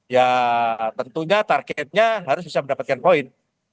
ya tentunya targetnya harus bisa mendapatkan poin